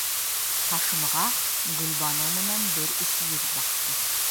Хашимға Гөлбаныу менән бер иш йөҙ баҡты.